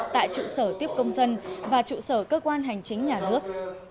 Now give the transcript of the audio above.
tại trụ sở tiếp công dân và trụ sở cơ quan hành chính nhà nước